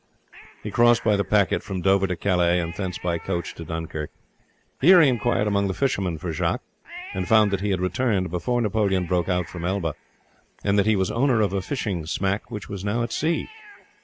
He crossed by the packet from Dover to Calais, and thence by coach to Dunkirk. Here he inquired among the fishermen for Jacques, and found that he had returned before Napoleon broke out from Elba, and that he was owner of a fishing smack which was now at sea.